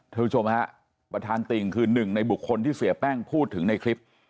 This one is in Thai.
คุณผู้ชมฮะประธานติ่งคือหนึ่งในบุคคลที่เสียแป้งพูดถึงในคลิป